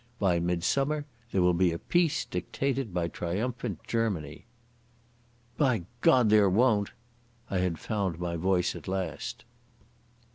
By midsummer there will be peace dictated by triumphant Germany." "By God, there won't!" I had found my voice at last.